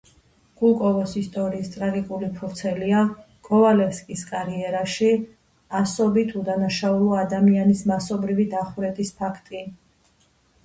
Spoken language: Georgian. გუკოვოს ისტორიის ტრაგიკული ფურცელია კოვალევსკის კარიერში ასობით უდანაშაულო ადამიანის მასობრივი დახვრეტის ფაქტი.